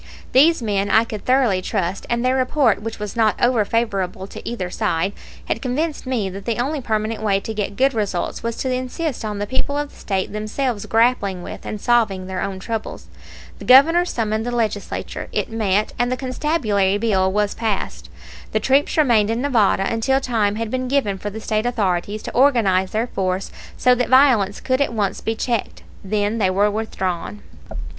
These men I could thoroughly trust, and their report, which was not over favorable to either side, had convinced me that the only permanent way to get good results was to insist on the people of the State themselves grappling with and solving their own troubles. The Governor summoned the Legislature, it met, and the constabulary bill was passed. The troops remained in Nevada until time had been given for the State authorities to organize their force so that violence could at once be checked. Then they were withdrawn.